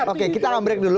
oke kita lambrek dulu